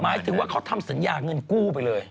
หมายถึงว่าเขาทำสัญญาเงินกู้ไปเลย